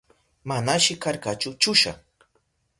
Manashi karkachu chusha.